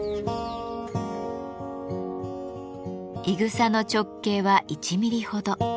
いぐさの直径は１ミリほど。